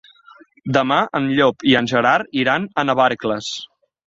Demà en Llop i en Gerard iran a Navarcles.